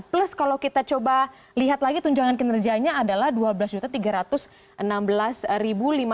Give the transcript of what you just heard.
plus kalau kita coba lihat lagi tunjangan kinerjanya adalah rp dua belas